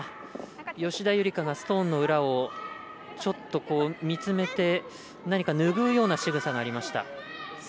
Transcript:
吉田夕梨花がストーンの裏をちょっと、見つめて何かぬぐうようなしぐさがありました。